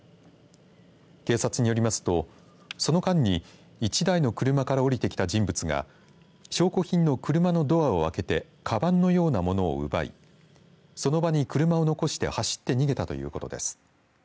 警察によりますとその間に１台の車から降りてきた人物が証拠品の車のドアを開けてかばんのようなものを奪いその場に車を残して走って逃げたということです。